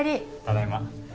ただいま